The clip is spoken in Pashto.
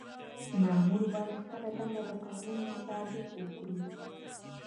مامور باید خپله دنده د قانون مطابق وکړي.